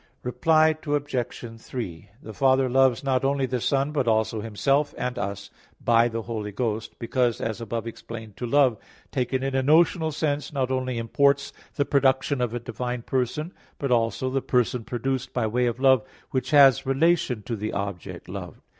Reply Obj. 3: The Father loves not only the Son, but also Himself and us, by the Holy Ghost; because, as above explained, to love, taken in a notional sense, not only imports the production of a divine person, but also the person produced, by way of love, which has relation to the object loved.